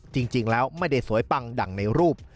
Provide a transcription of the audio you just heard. จริงแล้วไม่ได้สวยปังดั่งในรูป